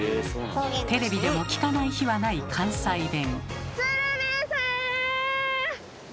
テレビでも聞かない日はない関西弁。